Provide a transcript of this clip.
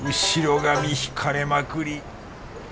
後ろ髪引かれまくり！